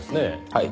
はい。